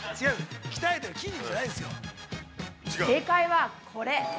正解は、これ。